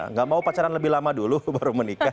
nggak mau pacaran lebih lama dulu baru menikah